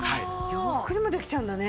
洋服にもできちゃうんだね。